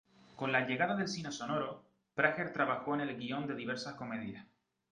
Con la llegada del cine sonoro, Prager trabajó en el guion de diversas comedias.